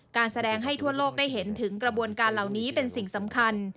การแสดงให้ทั่วโลกได้เห็นถึงกระบวนการเหล่านี้เป็นสิ่งสำคัญ